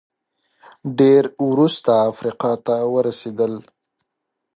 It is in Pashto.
ډېر وروسته افریقا ته ورسېدل